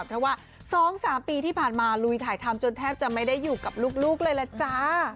เพราะว่า๒๓ปีที่ผ่านมาลุยถ่ายทำจนแทบจะไม่ได้อยู่กับลูกเลยล่ะจ้า